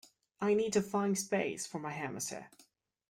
I need to find space for my hamster